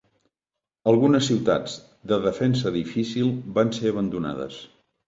Algunes ciutats de defensa difícil van ser abandonades.